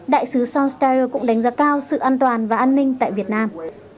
đại sứ sean steyer cũng đánh giá cao sự an toàn và an ninh tại việt nam